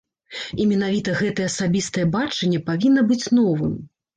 І менавіта гэтае асабістае бачанне павінна быць новым!